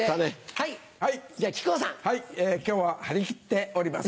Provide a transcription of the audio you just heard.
はい今日は張り切っております。